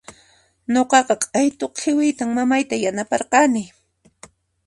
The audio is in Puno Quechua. Nuqaqa q'aytu khiwiyta mamayta yanaparqani.